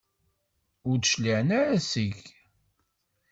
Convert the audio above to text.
Ur d-cliɛen ara seg-k.